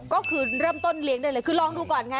ก็คือเริ่มต้นเลี้ยงได้เลยคือลองดูก่อนไง